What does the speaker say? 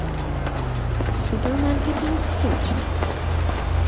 সুপারম্যানকে তুমি কী করেছ?